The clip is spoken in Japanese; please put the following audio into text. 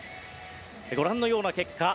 ご覧のような結果。